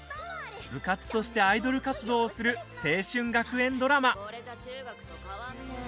部活としてアイドル活動をする青春学園ドラマ。